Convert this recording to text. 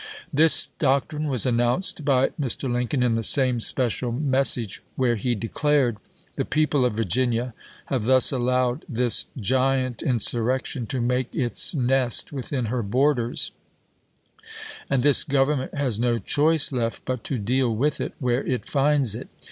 This doctrine was announced by Mr. Lincoln in the same special 348 ABEAHAM LINCOLN CHAP. XVI. message, where he declared :" The people of Vir ginia have thus allowed this giant insurrection to make its nest within her borders ; and this Govern ment has no choice left but to deal with it where it finds it.